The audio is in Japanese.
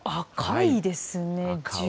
赤いですね。